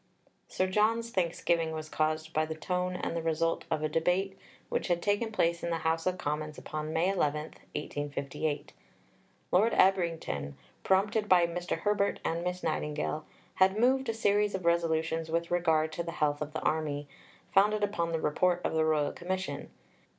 Sir John's thanksgiving was caused by the tone and the result of a debate which had taken place in the House of Commons upon May 11, 1858. Lord Ebrington, prompted by Mr. Herbert and Miss Nightingale, had moved a series of Resolutions with regard to the Health of the Army, founded upon the Report of the Royal Commission.